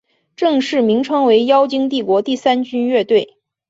正式名称为妖精帝国第三军乐队。